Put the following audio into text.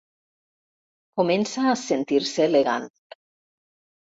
Comença a sentir-se elegant.